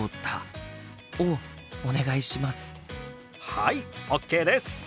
はいＯＫです！